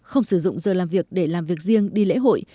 không sử dụng giờ làm việc để làm việc riêng đi lễ hội